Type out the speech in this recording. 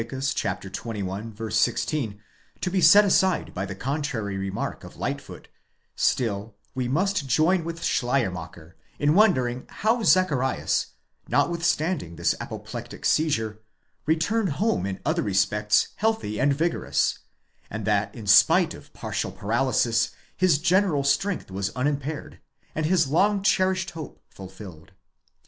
xxi. 16, to be set aside by the contrary remark of Lightfoot,§ sti, we must join with Schleiermacher in wondering how Zacharias, nothwithstanding this apoplectic seizure, returned home in other respects healthy and vigorous ;® and that in spite of partial paralysis his general strength was unimpaired, and his long cherished hope fulfilled.